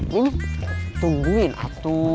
mimin tungguin atu